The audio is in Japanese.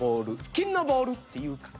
「金のボール！」って言うか。